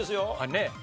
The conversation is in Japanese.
ねえ。